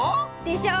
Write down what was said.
でしょ。